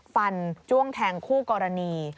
จ้วงแทงคู่กรณี